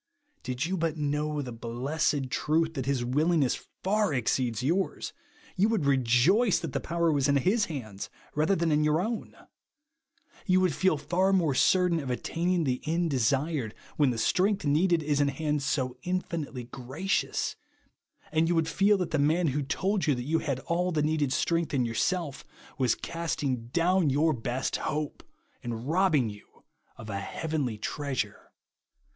Did you but know the blessed truth, that his willingness far exceeds yours, you v/ould rejoice that the power was in his hands rather than in your own. You would M 2 ] oS rilE WANT OP POWER TO BELIEVE. feel far morG certain of attaining llie end desired when the strength needed is in hands so infinitely gracious ; and you would feel that the man who told you that you had all the needed strenqth in yourself, was casting down your best hops, and rob bing you of a heavenly treasure.